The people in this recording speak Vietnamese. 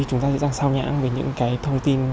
chúng ta sẽ đang sao nhãn về những cái thông tin